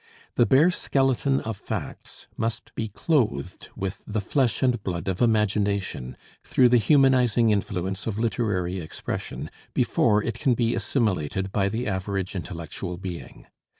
The bare skeleton of facts must be clothed with the flesh and blood of imagination, through the humanizing influence of literary expression, before it can be assimilated by the average intellectual being.